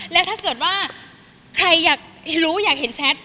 แล้วถ้าเกิดว่าใครอยากรู้อยากเห็นแชท